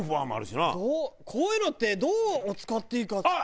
こういうのってどう使っていいか。